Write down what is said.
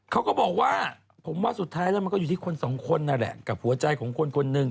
เขาก็บอกว่าสุดท้ายก็อยู่ที่คนสองคนแล้วกับหัวใจของคนคนนึง